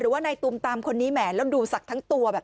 ว่าในตูมตามคนนี้แหมแล้วดูศักดิ์ทั้งตัวแบบ